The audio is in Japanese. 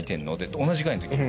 同じぐらいのときに。